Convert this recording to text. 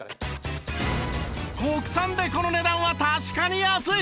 国産でこの値段は確かに安い！